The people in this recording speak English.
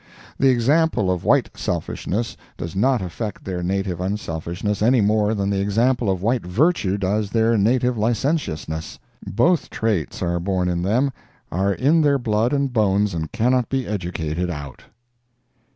The example of white selfishness does not affect their native unselfishness any more than the example of white virtue does their native licentiousness. Both traits are born in them—are in their blood and bones and cannot be educated out.